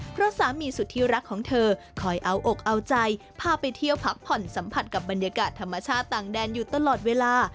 เพราะสามีสุดที่รักของเธอคอยเอาอกเอาใจพาไปเที่ยวพักผ่อนสัมผัสกับบรรยากาศธรรมชาติต่างแดนอยู่ตลอดเวลา